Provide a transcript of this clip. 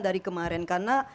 dari kemarin karena